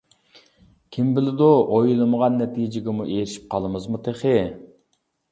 كىم بىلىدۇ ئويلىمىغان نەتىجىگىمۇ ئېرىشىپ قالىمىزمۇ تېخى!